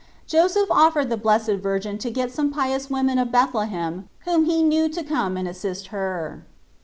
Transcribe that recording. Joseph offered the Blessed Virgin to get some pious women of Bethlehem whom he knew to come and assist her.